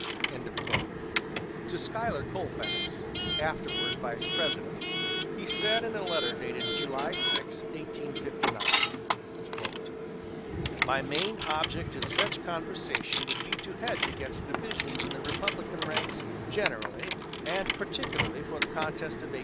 To Schuyler Colfax (afterward Vice President) he said in a letter dated July 6, 1859: "My main object in such conversation would be to hedge against divisions in the Republican ranks generally and particularly for the contest of 1860.